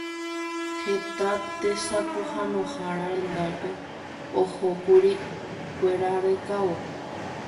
Heta tesapohãnohára rendápe ohókuri kuera rekávo.